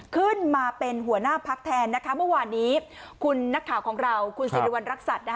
ขึ้นมาเป็นหัวหน้าพักแทนนะคะเมื่อวานนี้คุณนักข่าวของเราคุณสิริวัณรักษัตริย์